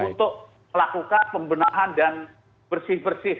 untuk melakukan pembenahan dan bersih bersih